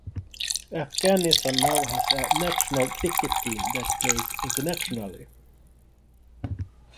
Afghanistan now has a national cricket team that plays internationally.